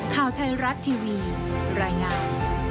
ข่าวไทยรัฐทีวีรายงาน